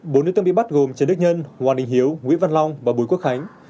bốn đối tượng bị bắt gồm trần đức nhân hoàng đình hiếu nguyễn văn long và bùi quốc khánh